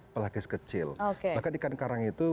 pelakis kecil bahkan ikan karang itu